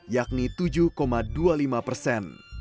yakni tujuh dua puluh lima persen